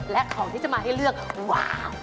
และของที่จะมาให้เลือกว้าว